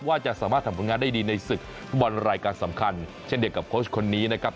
ว่าจะสามารถทำผลงานได้ดีในศึกฟุตบอลรายการสำคัญเช่นเดียวกับโค้ชคนนี้นะครับ